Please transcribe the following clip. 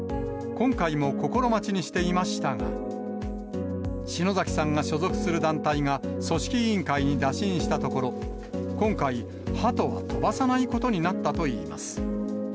今回も心待ちにしていましたが、篠崎さんが所属する団体が、組織委員会に打診したところ、今回、ハトは飛ばさないことになったといいます。